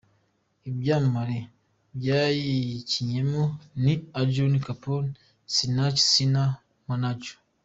Ibyamamare byayikinnyemo ni Arjun Kapoor, Sonakshi Sinha, Manoj.